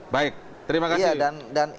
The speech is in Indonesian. baik terima kasih